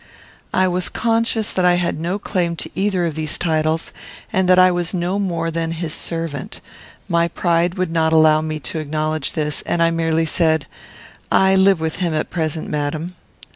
I was conscious that I had no claim to either of these titles, and that I was no more than his servant. My pride would not allow me to acknowledge this, and I merely said, "I live with him at present, madam."